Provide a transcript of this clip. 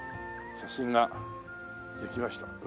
写真ができました。